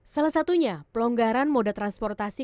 salah satunya pelonggaran moda transportasi